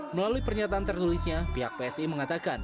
melalui pernyataan tertulisnya pihak psi mengatakan